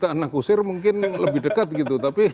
anakusir mungkin lebih dekat gitu tapi